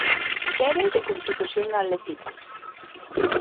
Qu'ère de constitucion atletica.